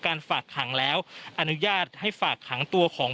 ฝากขังแล้วอนุญาตให้ฝากขังตัวของ